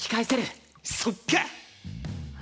そっか！